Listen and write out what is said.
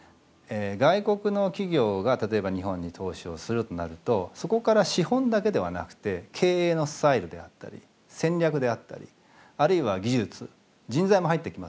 外国の企業が例えば日本に投資をするとなるとそこから資本だけではなくて経営のスタイルであったり戦略であったりあるいは技術人材も入ってきますよね。